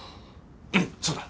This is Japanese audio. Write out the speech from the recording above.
うんそうだ！